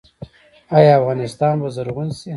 آیا افغانستان به زرغون شي؟